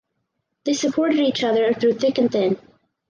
They supported each other through thick and thin.